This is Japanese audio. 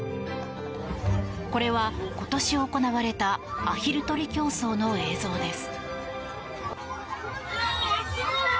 これは今年行われたアヒル取り競争の映像です。